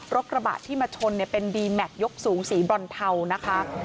กระบะที่มาชนเป็นดีแม็กซยกสูงสีบรอนเทานะคะ